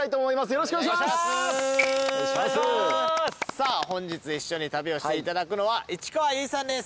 さあ本日一緒に旅をしていただくのは市川由衣さんです。